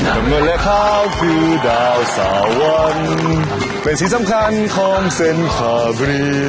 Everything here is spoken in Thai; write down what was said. ทำเนื้อแล้วข้าวคือดาวสวรรค์เป็นสีสำคัญของเส้นข้าเบลีย